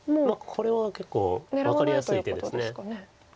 これは結構分かりやすい手です。